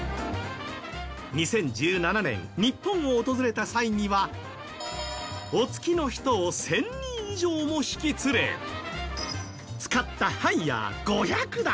２０１７年、日本を訪れた際にはお付きの人を１０００人以上も引き連れ使ったハイヤー５００台